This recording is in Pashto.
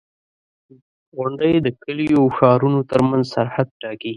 • غونډۍ د کليو او ښارونو ترمنځ سرحد ټاکي.